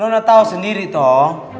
nona tau sendiri toh